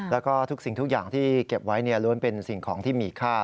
แล้วก็ทุกสิ่งทุกอย่างที่เก็บไว้ล้วนเป็นสิ่งของที่มีค่า